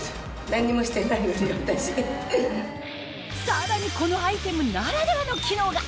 さらにこのアイテムならではの機能が！